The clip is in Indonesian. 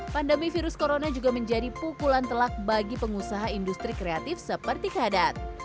pandemi virus corona juga menjadi pukulan telak bagi pengusaha industri kreatif seperti kadat